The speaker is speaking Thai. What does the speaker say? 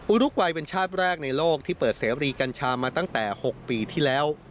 อุรุกวัยเป็นชาติแรกในโลกที่เปิดเสรีกัญชามาตั้งแต่๖ปีที่แล้ว